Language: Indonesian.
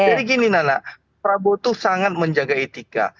karena prabowo tuh sangat menjaga etika